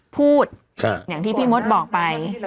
พูดอย่างที่พี่มดบอกไป